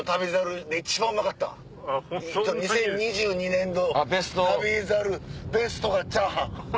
２０２２年度『旅猿』ベストがチャーハン。